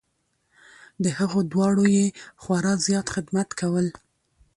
د هغو دواړو یې خورا زیات خدمت کول .